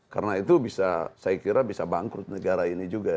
karena itu bisa saya kira bisa bangkrut negara ini juga